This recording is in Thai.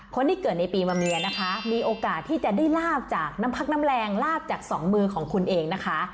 คนที่เกิดในปีมะเมียนะคะมีโอกาสที่จะได้ลาบจากน้ำพักน้ำแรงลากจากสองมือของคุณเองนะคะ